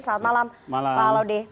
selamat malam pak laude